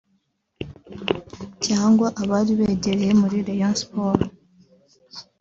cyangwa abari begereye muri Rayon Sports